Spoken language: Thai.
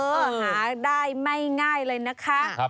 หาได้ไม่ง่ายเลยนะคะ